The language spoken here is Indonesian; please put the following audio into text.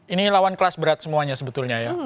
ini lawan kelas berat semuanya sebetulnya ya